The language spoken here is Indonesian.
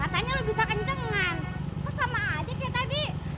katanya lu bisa kencengkan kok sama aja kaya tadi